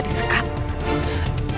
baik aku datang